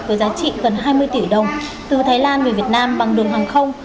với giá trị gần hai mươi tỷ đồng từ thái lan về việt nam bằng đường hàng không